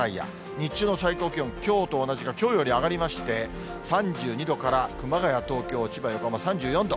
日中の最高気温、きょうと同じかきょうより上がりまして、３２度から熊谷、東京、千葉、横浜、３４度。